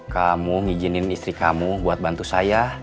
kamu ngijinin istri kamu buat bantu saya